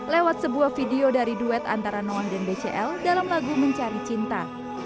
lewat sebuah video dari duet antara noah dan bcl dalam lagu mencari cinta